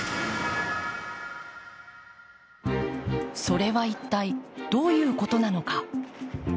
それは一体どういうことなのか？